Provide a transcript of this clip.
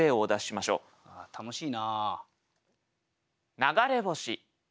楽しいな。